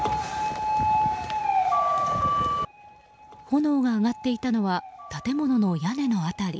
炎が上がっていたのは建物の屋根の辺り。